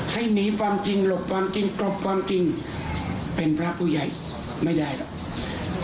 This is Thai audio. ให้หนีความจริงหลบความจริงกลบความจริงเป็นพระผู้ใหญ่ไม่ได้หรอก